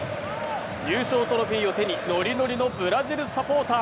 優勝トロフィーを手にノリノリのブラジルサポーター。